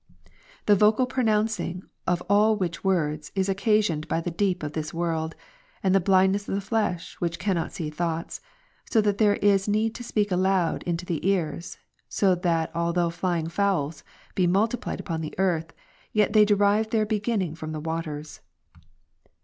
The vocal pronouncing of all which words, is occasioned by the deep of this world, and the blindness of the flesh, which cannot see thoughts ; so that there is need to speak aloud into the ears ; so that, although fifjing fowls be multiplied upon the earth, yet they derive their beginning from the waters.